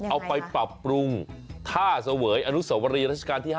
เอาไปปรับปรุงท่าเสวยอนุสวรีรัชกาลที่๕